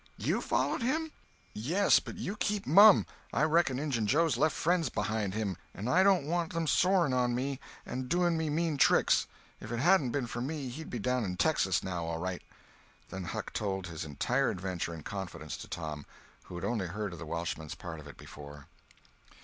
"You followed him?" "Yes—but you keep mum. I reckon Injun Joe's left friends behind him, and I don't want 'em souring on me and doing me mean tricks. If it hadn't ben for me he'd be down in Texas now, all right." Then Huck told his entire adventure in confidence to Tom, who had only heard of the Welshman's part of it before.